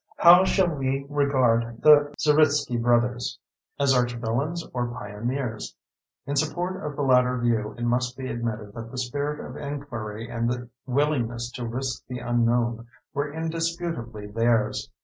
How shall we regard the Zeritsky Brothers? As archvillains or pioneers? In support of the latter view, it must be admitted that the spirit of inquiry and the willingness to risk the unknown were indisputably theirs.